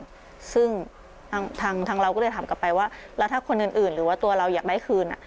ซึ่งทางทางเราก็เลยถามกลับไปว่าแล้วถ้าคนอื่นอื่นหรือว่าตัวเราอยากได้คืนอ่ะ